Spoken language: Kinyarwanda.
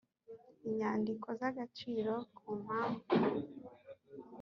inyandiko z agaciro ku mpamvu